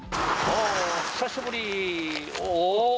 久しぶり。